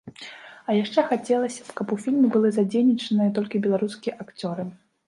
А яшчэ хацелася б, каб у фільме былі задзейнічаныя толькі беларускія акцёры.